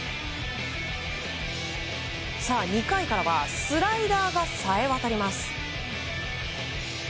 ２回からはスライダーがさえわたります。